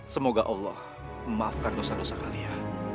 semoga allah memaafkan dosa dosa kalian